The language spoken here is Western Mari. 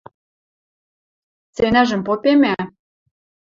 – Ценӓжӹм попемӓ...